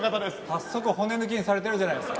早速骨抜きにされてるじゃないですか。